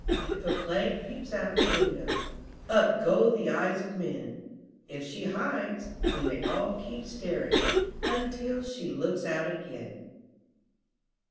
If a Plague peeps out of the window, Up go the eyes of men; If she hides, then they all keep staring Until she looks out again.